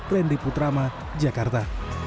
randy putrama jakarta